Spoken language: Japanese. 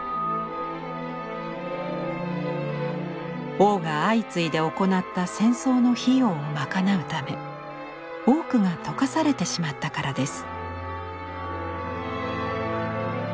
王が相次いで行った戦争の費用を賄うため多くが溶かされてしまったからです。